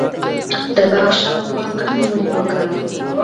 د باغ شاوخوا کومې ونې وکرم؟